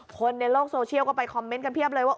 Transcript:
คนในโลกโซเชียลก็ไปคอมเมนต์กันเพียบเลยว่า